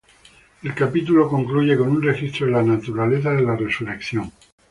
El capítulo concluye con un registro de la naturaleza de la resurrección.